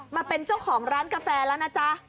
มาเป็นเจ้าของร้านกาแฟแล้วนะจ๊ะ